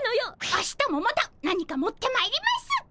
明日もまた何か持ってまいります。